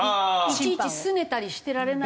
いちいちすねたりしてられないの？